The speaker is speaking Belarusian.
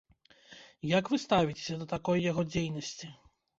Як вы ставіцеся да такой яго дзейнасці?